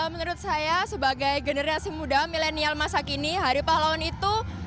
menurut saya sebagai generasi muda milenial masa kini hari pahlawan itu